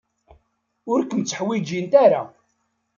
Ur kem-tteḥwijint ara.